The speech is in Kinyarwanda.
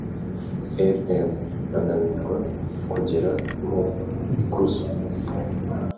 Rm bananirwa kugera ku ikuzo